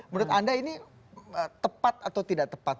menurut anda ini tepat atau tidak tepat